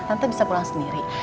tante bisa pulang sendiri